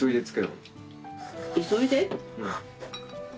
急いで？